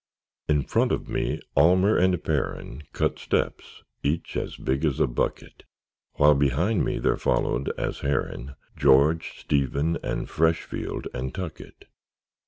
In front of me Almer and Perren Cut steps, each as big as a bucket; While behind me there followed, as Herren, George, Stephen, and Freshfield, and Tuckett.